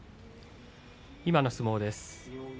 今の相撲です。